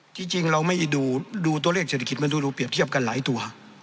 จริงเราไม่ได้ดูตัวเลขเศรษฐกิจมันดูเปรียบเทียบกันหลายตัว